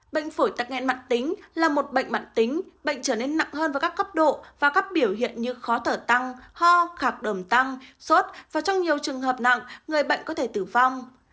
bệnh phổi tắc nghẽn mạng tính là một bệnh mạng tính bệnh trở nên nặng hơn với các cấp độ và các biểu hiện như khó thở tăng ho khạc đờm tăng sốt và trong nhiều trường hợp nặng người bệnh có thể tử vong